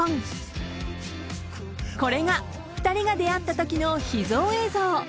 ［これが２人が出会ったときの秘蔵映像］